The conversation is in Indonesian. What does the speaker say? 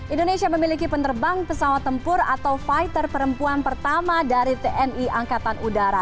indonesia memiliki penerbang pesawat tempur atau fighter perempuan pertama dari tni angkatan udara